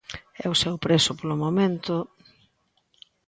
E o seu prezo polo momento...